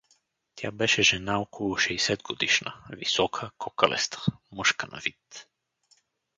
Тя беше жена около шейсетгодишна, висока, кокалеста — мъжка на вид.